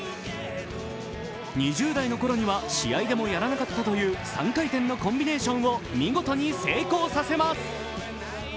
２０代のころには試合でもやらなかったという３回転のコンビネーションを見事に成功させます。